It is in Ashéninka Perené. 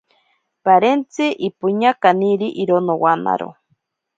Parentzi ipoña kaniri iro nowanaro.